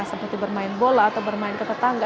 seperti bermain bola atau bermain ke tetangga